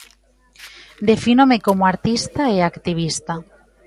Defínome como artista e activista.